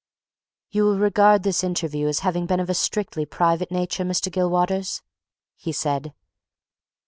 "You will regard this interview as having been of a strictly private nature, Mr. Gilwaters?" he said.